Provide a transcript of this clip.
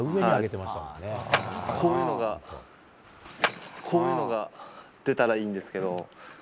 こういうのが、こういうのが出たらいいんですけど。